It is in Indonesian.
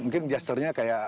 mungkin gesturnya kayak